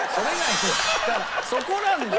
だからそこなんだよ。